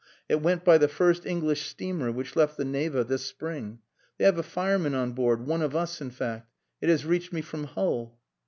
It went by the first English steamer which left the Neva this spring. They have a fireman on board one of us, in fact. It has reached me from Hull...."